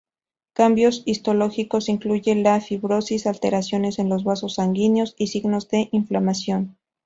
Cambios histológicos incluyen la fibrosis, alteraciones en los vasos sanguíneos, y signos de inflamación.